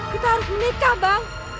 kita harus menikah bang